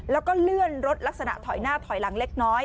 แล้วก็เลื่อนรถลักษณะถอยหน้าถอยหลังเล็กน้อย